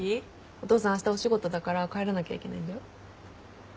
お父さんあしたお仕事だから帰らなきゃいけないんだよ。